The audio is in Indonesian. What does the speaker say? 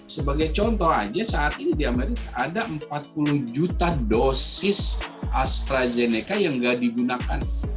sebagai contoh aja saat ini di amerika ada empat puluh juta dosis astrazeneca yang nggak digunakan